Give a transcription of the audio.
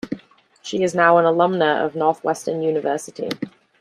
She is an alumna of Northwestern University.